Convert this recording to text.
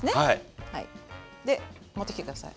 で持ってきて下さい。